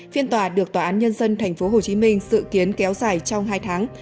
phiên tòa được tòa án nhân dân tp hcm dự kiến kéo dài trong hai tháng